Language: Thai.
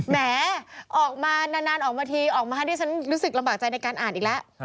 แหมออกมานานออกมาทีออกมาให้ดิฉันรู้สึกลำบากใจในการอ่านอีกแล้ว